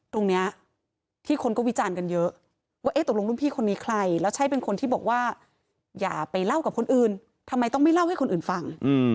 ตรงนี้ที่คนก็วิจารณ์กันเยอะว่าเอ๊ะตกลงรุ่นพี่คนนี้ใครแล้วใช่เป็นคนที่บอกว่าอย่าไปเล่ากับคนอื่นทำไมต้องไม่เล่าให้คนอื่นฟัง